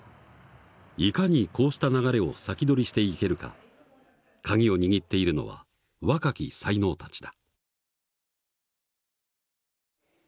いかにこうした流れを先取りしていけるかカギを握っているのは若き才能たちだ。